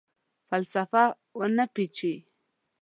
فلسفه ونه پیچي